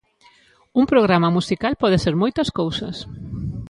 Un programa musical pode ser moitas cousas.